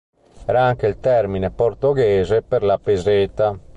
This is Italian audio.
Era anche il termine portoghese per la peseta.